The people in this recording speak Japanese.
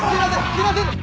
すいません！